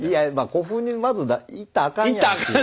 古墳にまず行ったらあかんやんっていう。